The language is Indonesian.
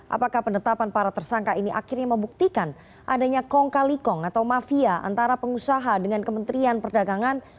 apakah penetapan para tersangka ini akhirnya membuktikan adanya kong kali kong atau mafia antara pengusaha dengan kementerian perdagangan